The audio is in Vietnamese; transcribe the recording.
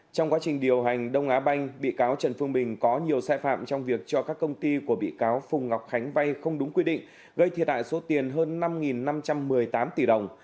trong quá trình điều hành đông á banh bị cáo trần phương bình có nhiều sai phạm trong việc cho các công ty của bị cáo phùng ngọc khánh vay không đúng quy định gây thiệt hại số tiền hơn năm năm trăm một mươi tám tỷ đồng